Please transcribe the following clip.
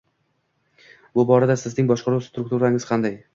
Bu borada sizning boshqaruv strukturangiz qanday?